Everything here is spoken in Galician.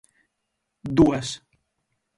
Dúas.